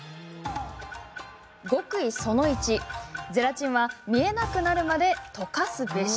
極意その１、ゼラチンは見えなくなるまで溶かすべし。